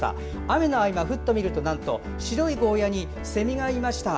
雨の合間、ふと見ると白いゴーヤにセミがいました。